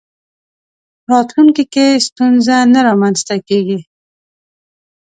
راتلونکي کې ستونزه نه رامنځته کېږي.